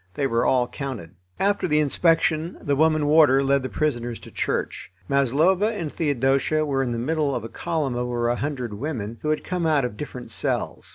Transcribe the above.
They were all counted. After the inspection the woman warder led the prisoners to church. Maslova and Theodosia were in the middle of a column of over a hundred women, who had come out of different cells.